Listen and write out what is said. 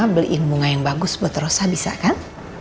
beliin bunga yang bagus buat rosa bisa kan